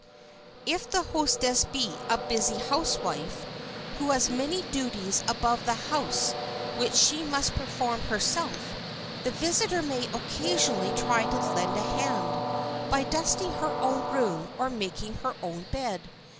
If the hostess be a busy housewife, who has many duties about the house which she must perform herself, the visitor may occasionally try to "lend a hand" by dusting her own room or making her own bed.